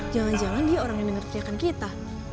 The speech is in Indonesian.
jalan jalan dia orang yang denger teriakan kita